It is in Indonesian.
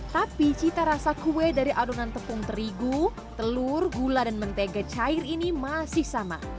tapi cita rasa kue dari adonan tepung terigu telur gula dan mentega cair ini masih sama